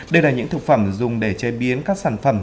đây là những thực phẩm dùng để chế biến các sản phẩm